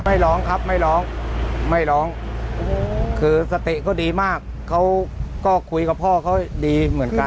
ไม่ร้องครับไม่ร้องไม่ร้องคือสติก็ดีมากเขาก็คุยกับพ่อเขาดีเหมือนกัน